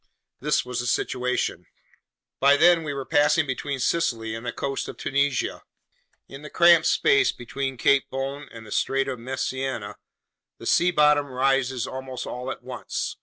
This was the situation. By then we were passing between Sicily and the coast of Tunisia. In the cramped space between Cape Bon and the Strait of Messina, the sea bottom rises almost all at once.